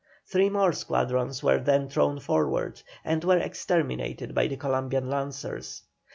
Three more squadrons were then thrown forward, and were exterminated by the Columbian lancers.